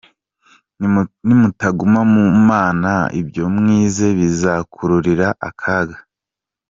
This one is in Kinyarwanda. Nimutaguma mu Mana ibyo mwize bizabakururira akaga».